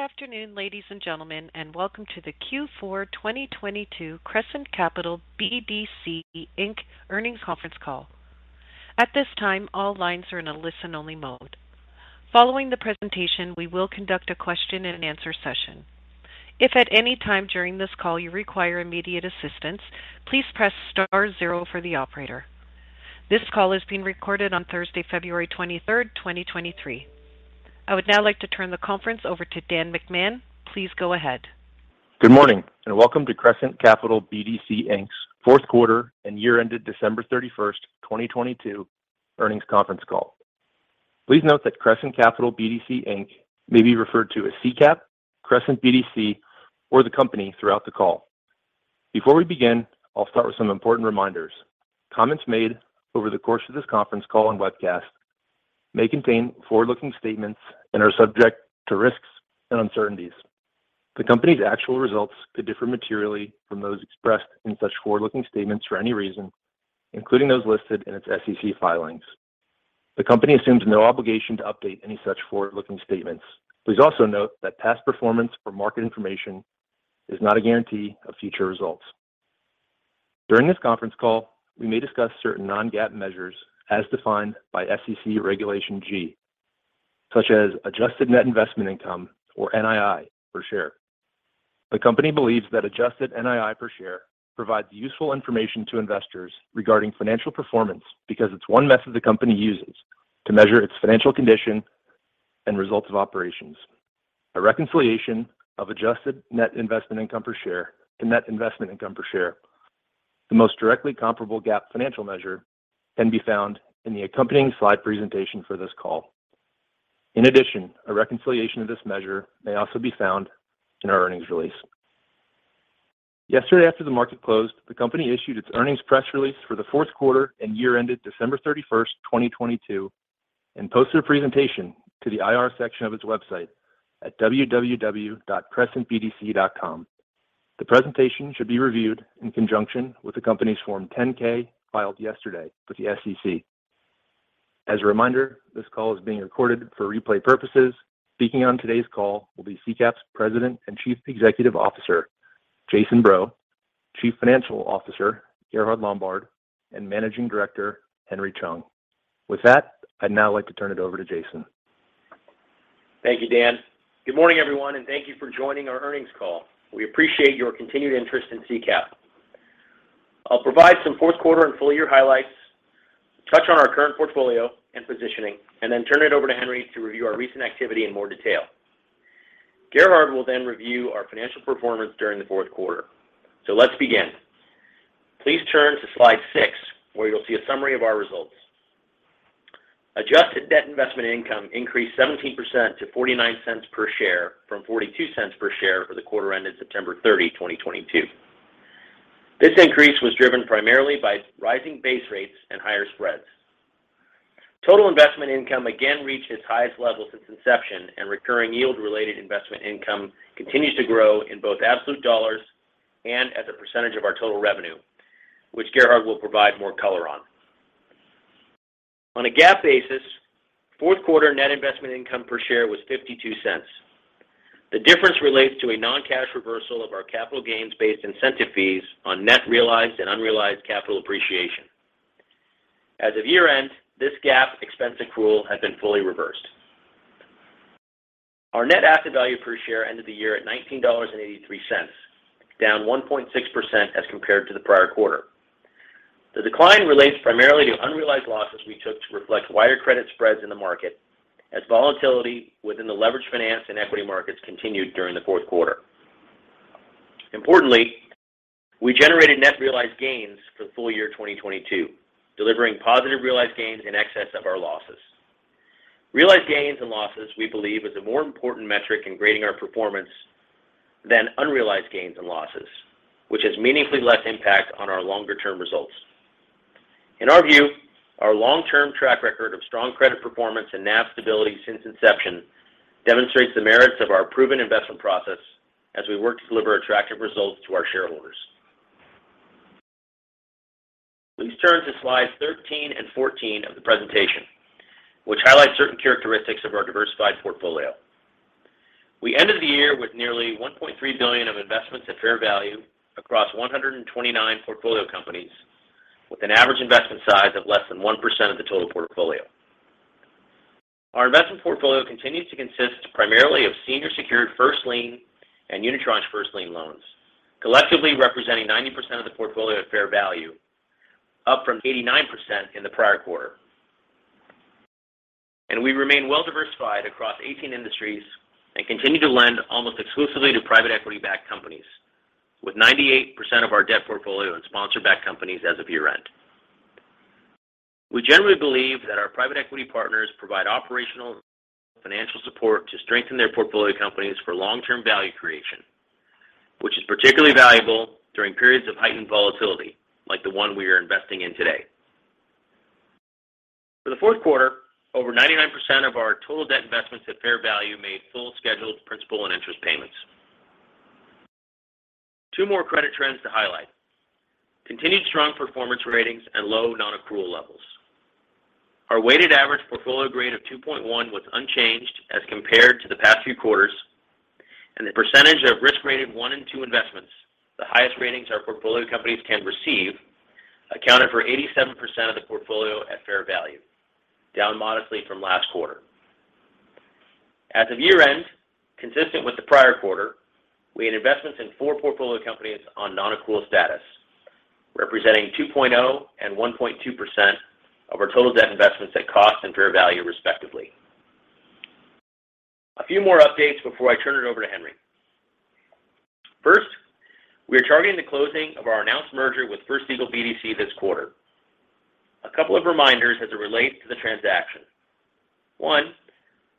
Good afternoon, ladies and gentlemen, and welcome to the Q4 2022 Crescent Capital BDC, Inc. Earnings Conference Call. At this time, all lines are in a listen-only mode. Following the presentation, we will conduct a question and answer session. If at any time during this call you require immediate assistance, please press star zero for the operator. This call is being recorded on Thursday, February 23rd, 2023. I would now like to turn the conference over to Dan McMahon. Please go ahead. Good morning, welcome to Crescent Capital BDC, Inc.'s Fourth Quarter and Year-ended December 31, 2022 Earnings Conference Call. Please note that Crescent Capital BDC, Inc. may be referred to as CCAP, Crescent BDC, or the company throughout the call. Before we begin, I'll start with some important reminders. Comments made over the course of this conference call and webcast may contain forward-looking statements and are subject to risks and uncertainties. The company's actual results could differ materially from those expressed in such forward-looking statements for any reason, including those listed in its SEC filings. The company assumes no obligation to update any such forward-looking statements. Please also note that past performance or market information is not a guarantee of future results. During this conference call, we may discuss certain non-GAAP measures as defined by SEC Regulation G, such as adjusted net investment income or NII per share. The company believes that adjusted NII per share provides useful information to investors regarding financial performance because it's one method the company uses to measure its financial condition and results of operations. A reconciliation of adjusted net investment income per share and net investment income per share, the most directly comparable GAAP financial measure can be found in the accompanying slide presentation for this call. In addition, a reconciliation of this measure may also be found in our earnings release. Yesterday, after the market closed, the company issued its earnings press release for the fourth quarter and year-ended December 31st, 2022, and posted a presentation to the IR section of its website at www.crescentbdc.com. The presentation should be reviewed in conjunction with the company's Form 10-K filed yesterday with the SEC. As a reminder, this call is being recorded for replay purposes. Speaking on today's call will be CCAP's President and Chief Executive Officer, Jason Breaux, Chief Financial Officer, Gerhard Lombard, and Managing Director, Henry Chung. With that, I'd now like to turn it over to Jason. Thank you, Dan. Good morning, everyone, and thank you for joining our earnings call. We appreciate your continued interest in CCAP. I'll provide some fourth quarter and full-year highlights, touch on our current portfolio and positioning, and then turn it over to Henry to review our recent activity in more detail. Gerhard will then review our financial performance during the fourth quarter. Let's begin. Please turn to slide six, where you'll see a summary of our results. Adjusted debt investment income increased 17% to $0.49 per share from $0.42 per share for the quarter ended September 30, 2022. This increase was driven primarily by rising base rates and higher spreads. Total investment income again reached its highest level since inception, and recurring yield-related investment income continues to grow in both absolute $ and as a percentage of our total revenue, which Gerhard will provide more color on. On a GAAP basis, fourth quarter net investment income per share was $0.52. The difference relates to a non-cash reversal of our capital gains-based incentive fees on net realized and unrealized capital appreciation. As of year-end, this GAAP expense accrual had been fully reversed. Our net asset value per share ended the year at $19.83, down 1.6% as compared to the prior quarter. The decline relates primarily to unrealized losses we took to reflect wider credit spreads in the market as volatility within the leveraged finance and equity markets continued during the fourth quarter. Importantly, we generated net realized gains for full year 2022, delivering positive realized gains in excess of our losses. Realized gains and losses, we believe, is a more important metric in grading our performance than unrealized gains and losses, which has meaningfully less impact on our longer-term results. In our view, our long-term track record of strong credit performance and NAV stability since inception demonstrates the merits of our proven investment process as we work to deliver attractive results to our shareholders. Please turn to slides 13 and 14 of the presentation, which highlight certain characteristics of our diversified portfolio. We ended the year with nearly $1.3 billion of investments at fair value across 129 portfolio companies with an average investment size of less than 1% of the total portfolio. Our investment portfolio continues to consist primarily of senior secured first lien and unitranche first lien loans, collectively representing 90% of the portfolio at fair value, up from 89% in the prior quarter. We remain well-diversified across 18 industries and continue to lend almost exclusively to private equity-backed companies with 98% of our debt portfolio in sponsor-backed companies as of year-end. We generally believe that our private equity partners provide operational and financial support to strengthen their portfolio companies for long-term value creation, which is particularly valuable during periods of heightened volatility like the one we are investing in today. For the fourth quarter, over 99% of our total debt investments at fair value made full scheduled principal and interest payments. Two more credit trends to highlight. Continued strong performance ratings and low non-accrual levels. Our weighted average portfolio grade of 2.1 was unchanged as compared to the past few quarters, and the percentage of risk rated one and two investments, the highest ratings our portfolio companies can receive, accounted for 87% of the portfolio at fair value, down modestly from last quarter. As of year-end, consistent with the prior quarter, we had investments in fourth portfolio companies on non-accrual status, representing 2.0 and 1.2% of our total debt investments at cost and fair value, respectively. A few more updates before I turn it over to Henry. First, we are targeting the closing of our announced merger with First Eagle BDC this quarter. A couple of reminders as it relates to the transaction. One,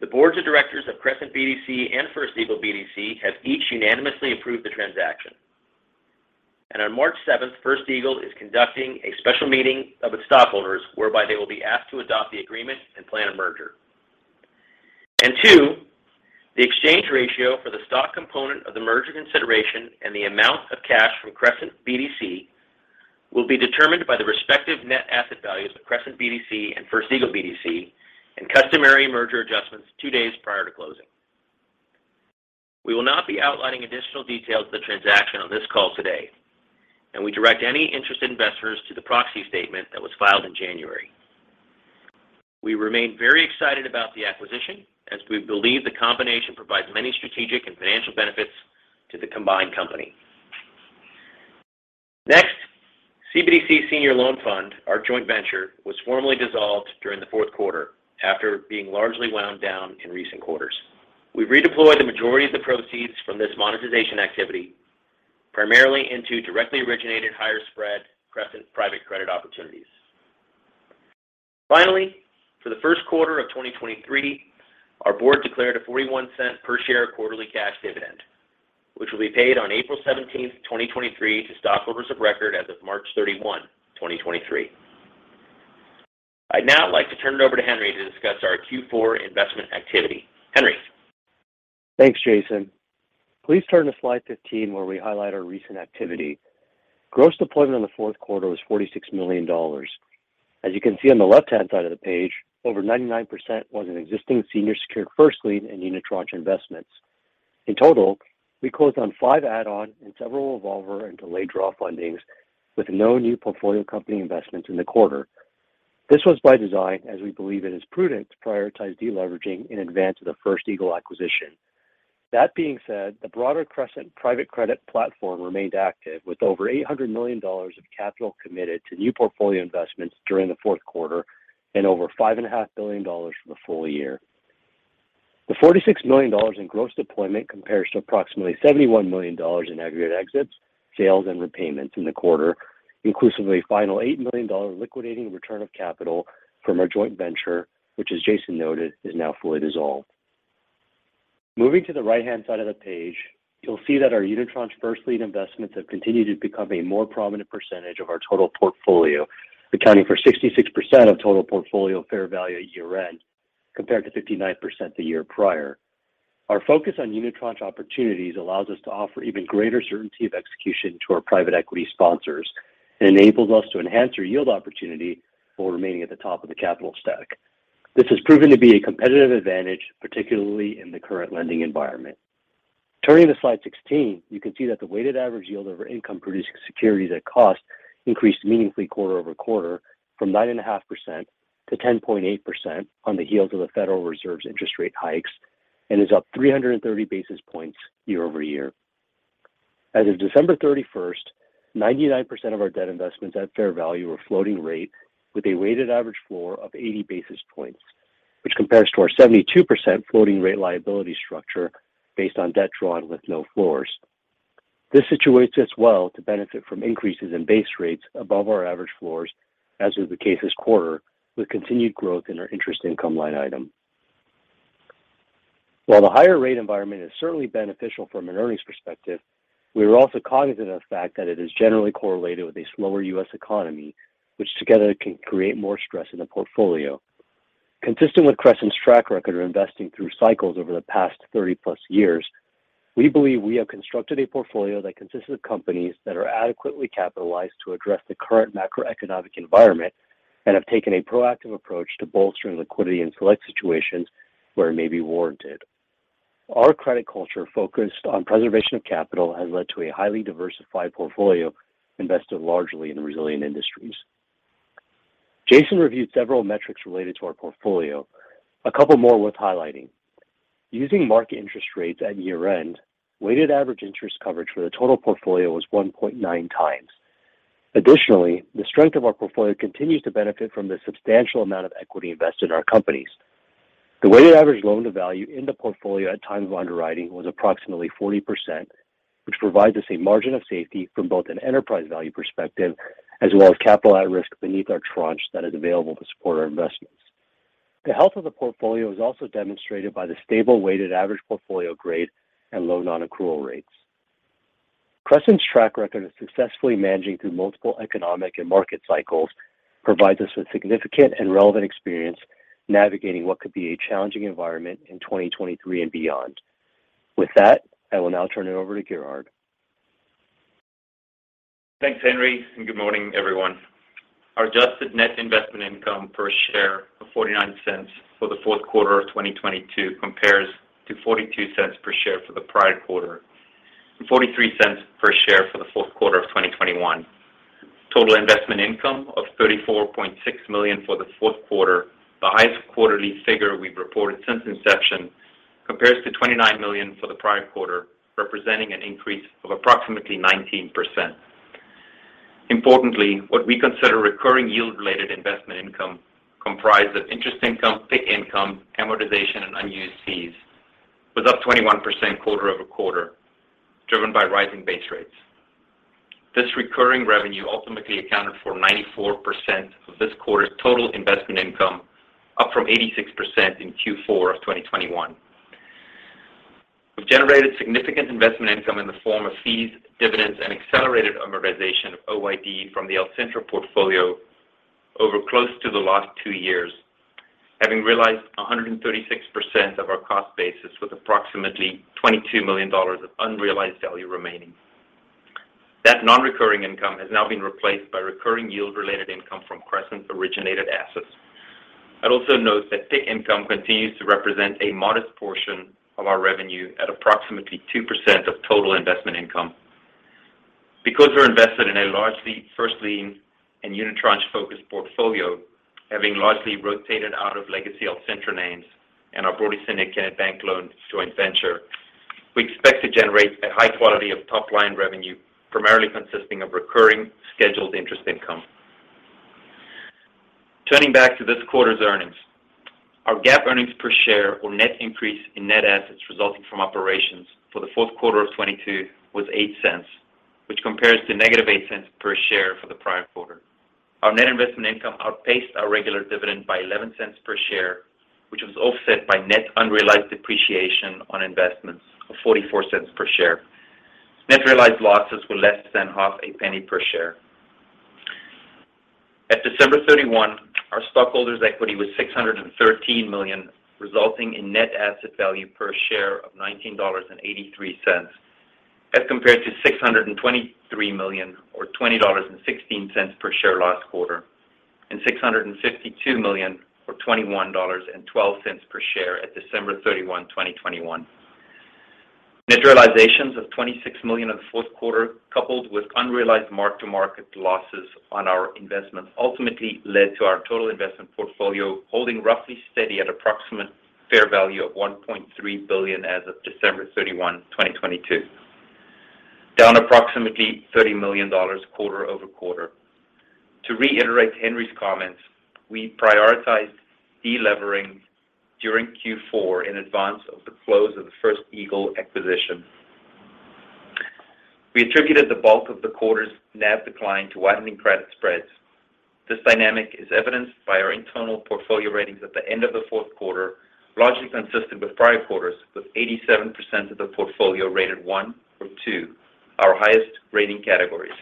the boards of directors of Crescent BDC and First Eagle BDC have each unanimously approved the transaction. On March seventh, First Eagle is conducting a special meeting of its stockholders whereby they will be asked to adopt the agreement and plan a merger. Two, the exchange ratio for the stock component of the merger consideration and the amount of cash from Crescent BDC will be determined by the respective net asset values of Crescent BDC and First Eagle BDC and customary merger adjustments two days prior to closing. We will not be outlining additional details of the transaction on this call today, and we direct any interested investors to the proxy statement that was filed in January. We remain very excited about the acquisition, as we believe the combination provides many strategic and financial benefits to the combined company. Next, CBDC Senior Loan Fund, our joint venture, was formally dissolved during the fourth quarter after being largely wound down in recent quarters. We've redeployed the majority of the proceeds from this monetization activity primarily into directly originated higher spread Crescent private credit opportunities. Finally, for the first quarter of 2023, our board declared a $0.41 per share quarterly cash dividend, which will be paid on April 17th, 2023 to stockholders of record as of March 31, 2023. I'd now like to turn it over to Henry to discuss our Q4 investment activity. Henry. Thanks, Jason. Please turn to slide 15 where we highlight our recent activity. Gross deployment on the fourth quarter was $46 million. As you can see on the left-hand side of the page, over 99% was in existing senior secured first lien and unitranche investments. In total, we closed on five add-on and several revolver and delayed draw fundings with no new portfolio company investments in the quarter. This was by design as we believe it is prudent to prioritize deleveraging in advance of the First Eagle acquisition. That being said, the broader Crescent private credit platform remained active with over $800 million of capital committed to new portfolio investments during the fourth quarter and over $5.5 billion for the full year. The $46 million in gross deployment compares to approximately $71 million in aggregate exits, sales, and repayments in the quarter, inclusive of a final $8 million liquidating return of capital from our joint venture, which as Jason noted, is now fully dissolved. Moving to the right-hand side of the page, you'll see that our unitranche first lien investments have continued to become a more prominent percentage of our total portfolio, accounting for 66% of total portfolio fair value at year-end, compared to 59% the year prior. Our focus on unitranche opportunities allows us to offer even greater certainty of execution to our private equity sponsors and enables us to enhance our yield opportunity while remaining at the top of the capital stack. This has proven to be a competitive advantage, particularly in the current lending environment. Turning to slide 16, you can see that the weighted average yield of our income-producing securities at cost increased meaningfully quarter-over-quarter from 9.5%-0.8% on the heels of the Federal Reserve's interest rate hikes and is up 330 basis points year-over-year. As of December 31st, 99% of our debt investments at fair value were floating rate with a weighted average floor of 80 basis points, which compares to our 72% floating rate liability structure based on debt drawn with no floors. This situates us well to benefit from increases in base rates above our average floors, as was the case this quarter, with continued growth in our interest income line item. While the higher rate environment is certainly beneficial from an earnings perspective, we are also cognizant of the fact that it is generally correlated with a slower U.S. economy, which together can create more stress in the portfolio. Consistent with Crescent's track record of investing through cycles over the past 30-plus years, we believe we have constructed a portfolio that consists of companies that are adequately capitalized to address the current macroeconomic environment and have taken a proactive approach to bolstering liquidity in select situations where it may be warranted. Our credit culture focused on preservation of capital has led to a highly diversified portfolio invested largely in resilient industries. Jason reviewed several metrics related to our portfolio. A couple more worth highlighting. Using market interest rates at year-end, weighted average interest coverage for the total portfolio was 1.9x. Additionally, the strength of our portfolio continues to benefit from the substantial amount of equity invested in our companies. The weighted average loan-to-value in the portfolio at time of underwriting was approximately 40%, which provides us a margin of safety from both an enterprise value perspective as well as capital at risk beneath our tranche that is available to support our investments. The health of the portfolio is also demonstrated by the stable weighted average portfolio grade and low non-accrual rates. Crescent's track record of successfully managing through multiple economic and market cycles Provides us with significant and relevant experience navigating what could be a challenging environment in 2023 and beyond. With that, I will now turn it over to Gerhard. Thanks, Henry, and good morning, everyone. Our adjusted net investment income per share of $0.49 for Q4 of 2022 compares to $0.42 per share for the prior quarter and $0.43 per share for Q4 of 2021. Total investment income of $34.6 million for Q4, the highest quarterly figure we've reported since inception, compares to $29 million for the prior quarter, representing an increase of approximately 19%. Importantly, what we consider recurring yield-related investment income comprised of interest income, PIK income, amortization, and unused fees, was up 21% quarter-over-quarter, driven by rising base rates. This recurring revenue ultimately accounted for 94% of this quarter's total investment income, up from 86% in Q4 of 2021. We've generated significant investment income in the form of fees, dividends, and accelerated amortization of OID from the Alcentra portfolio over close to the last two years, having realized 136% of our cost basis with approximately $22 million of unrealized value remaining. That non-recurring income has now been replaced by recurring yield-related income from Crescent's originated assets. I'd also note that PIK income continues to represent a modest portion of our revenue at approximately 2% of total investment income. Because we're invested in a largely first lien and unitranche-focused portfolio, having largely rotated out of legacy Alcentra names and our broadly syndicated bank loan joint venture, we expect to generate a high quality of top line revenue, primarily consisting of recurring scheduled interest income. Turning back to this quarter's earnings. Our GAAP earnings per share or net increase in net assets resulting from operations for the fourth quarter of 2022 was $0.08, which compares to negative $0.08 per share for the prior quarter. Our net investment income outpaced our regular dividend by $0.11 per share, which was offset by net unrealized depreciation on investments of $0.44 per share. Net realized losses were less than half a penny per share. At December 31, our stockholders' equity was $613 million, resulting in net asset value per share of $19.83 as compared to $623 million or $20.16 per share last quarter, and $652 million or $21.12 per share at December 31, 2021. Net realizations of $26 million in the fourth quarter, coupled with unrealized mark-to-market losses on our investments, ultimately led to our total investment portfolio holding roughly steady at approximate fair value of $1.3 billion as of December 31, 2022, down approximately $30 million quarter-over-quarter. To reiterate Henry's comments, we prioritized de-levering during Q4 in advance of the close of the First Eagle acquisition. We attributed the bulk of the quarter's NAV decline to widening credit spreads. This dynamic is evidenced by our internal portfolio ratings at the end of the fourth quarter, largely consistent with prior quarters, with 87% of the portfolio rated one or two, our highest rating categories.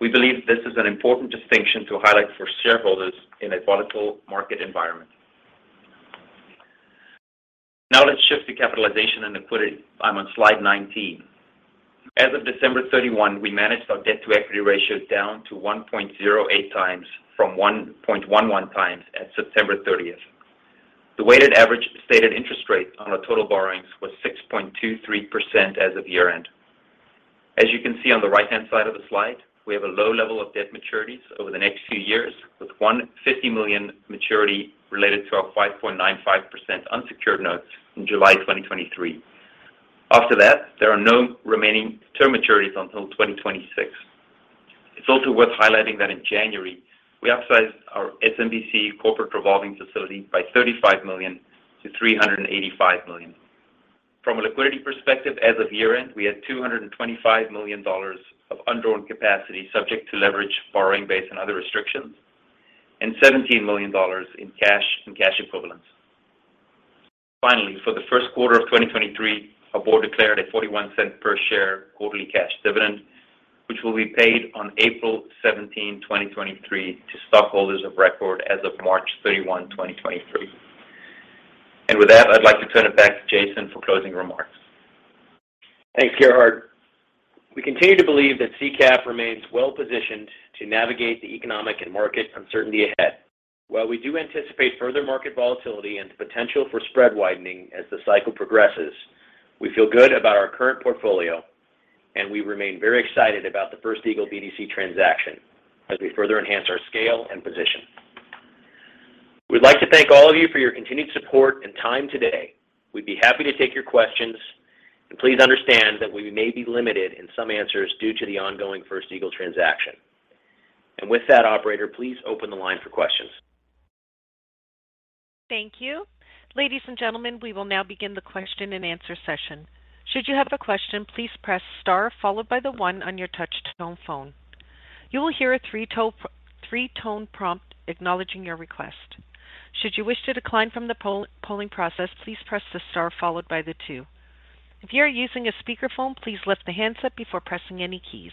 We believe this is an important distinction to highlight for shareholders in a volatile market environment. Now let's shift to capitalization and liquidity. I'm on slide 19. As of December 31, we managed our debt-to-equity ratio down to 1.08x from 1.11x at September 30. The weighted average stated interest rate on our total borrowings was 6.23% as of year-end. As you can see on the right-hand side of the slide, we have a low level of debt maturities over the next few years, with $150 million maturity related to our 5.95% unsecured notes in July 2023. After that, there are no remaining term maturities until 2026. It's also worth highlighting that in January, we upsized our SMBC corporate revolving facility by $35 million-$385 million. From a liquidity perspective, as of year-end, we had $225 million of undrawn capacity subject to leverage borrowing base and other restrictions and $17 million in cash and cash equivalents. Finally, for the first quarter of 2023, our board declared a $0.41 per share quarterly cash dividend, which will be paid on April 17, 2023 to stockholders of record as of March 31, 2023. With that, I'd like to turn it back to Jason for closing remarks. Thanks, Gerhard. We continue to believe that CCAP remains well-positioned to navigate the economic and market uncertainty ahead. While we do anticipate further market volatility and the potential for spread widening as the cycle progresses, we feel good about our current portfolio, and we remain very excited about the First Eagle BDC transaction as we further enhance our scale and position. We'd like to thank all of you for your continued support and time today. We'd be happy to take your questions, and please understand that we may be limited in some answers due to the ongoing First Eagle transaction. With that, operator, please open the line for questions. Thank you. Ladies and gentlemen, we will now begin the question and answer session. Should you have a question, please press star followed by the one on your touch tone phone. You will hear a three-tone prompt acknowledging your request. Should you wish to decline from the polling process, please press the star followed by the two. If you are using a speakerphone, please lift the handset before pressing any keys.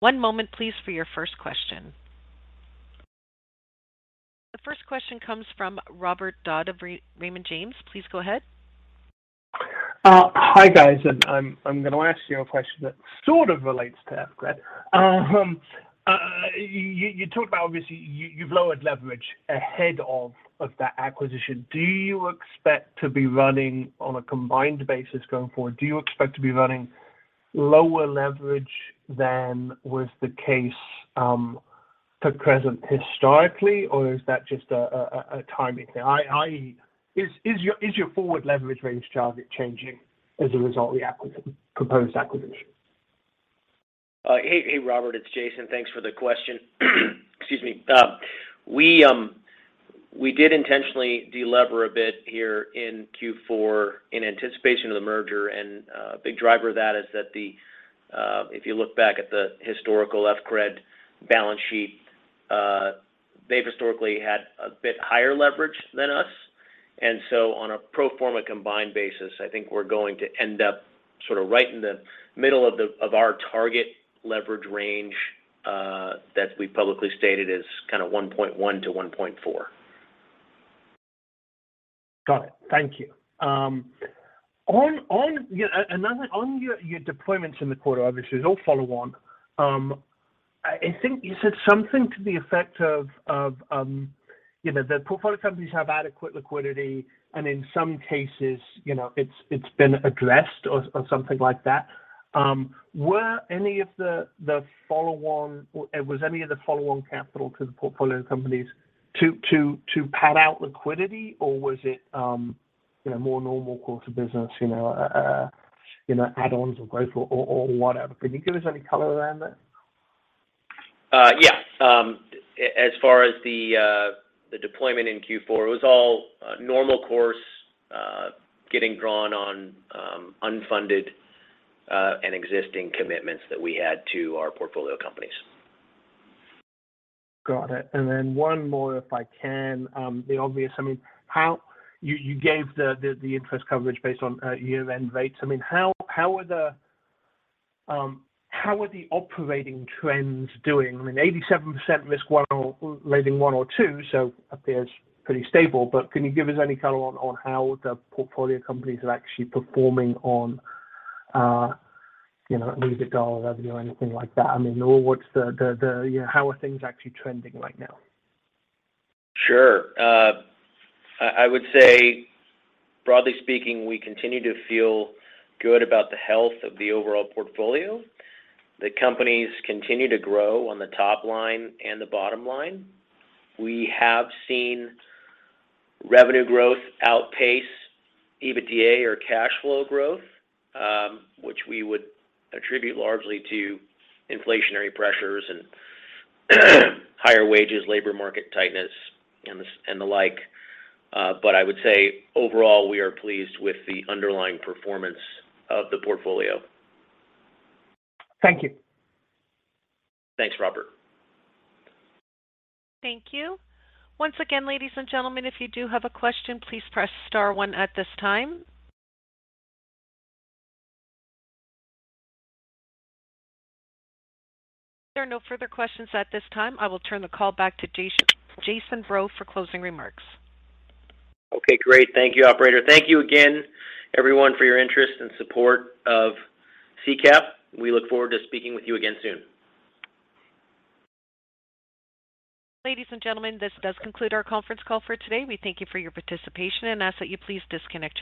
One moment please for your first question. The first question comes from Robert Dodd of Raymond James. Please go ahead. Hi guys. I'm gonna ask you a question that sort of relates to. [inaudible] You talked about obviously you've lowered leverage ahead of that acquisition. Do you expect to be running on a combined basis going forward? Do you expect to be running lower leverage than was the case for Crescent historically, or is that just a timing thing? Is your forward leverage range target changing as a result of the proposed acquisition? Hey Robert. It's Jason. Thanks for the question. Excuse me. We did intentionally de-lever a bit here in Q4 in anticipation of the merger and a big driver of that is that the if you look back at the historical FCRD balance sheet, they've historically had a bit higher leverage than us. On a pro forma combined basis, I think we're going to end up sort of right in the middle of our target leverage range that we've publicly stated as kinda 1.1-1.4. Got it. Thank you. On your deployments in the quarter, obviously it's all follow on. I think you said something to the effect of, you know, the portfolio companies have adequate liquidity, and in some cases, you know, it's been addressed or something like that. Were any of the follow-on capital to the portfolio companies to pad out liquidity? Or was it, you know, more normal course of business, you know, add-ons or growth or whatever? Can you give us any color around that? Yeah. As far as the deployment in Q4, it was all normal course, getting drawn on unfunded and existing commitments that we had to our portfolio companies. Got it. One more if I can. The obvious, You gave the interest coverage based on year-end rates. How are the operating trends doing? 87% rating one or two, so appears pretty stable. Can you give us any color on how the portfolio companies are actually performing on, you know, EBITDA or revenue or anything like that? You know, how are things actually trending right now? Sure. I would say broadly speaking, we continue to feel good about the health of the overall portfolio. The companies continue to grow on the top line and the bottom line. We have seen revenue growth outpace EBITDA or cash flow growth, which we would attribute largely to inflationary pressures and higher wages, labor market tightness and the like. I would say overall, we are pleased with the underlying performance of the portfolio. Thank you. Thanks, Robert. Thank you. Once again, ladies and gentlemen, if you do have a question, please press star 1 at this time. There are no further questions at this time. I will turn the call back to Jason Breaux for closing remarks. Okay, great. Thank you, operator. Thank you again everyone for your interest and support of CCAP. We look forward to speaking with you again soon. Ladies and gentlemen, this does conclude our conference call for today. We thank you for your participation and ask that you please disconnect your.